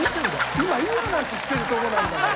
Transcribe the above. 今いい話してるとこなんだからさ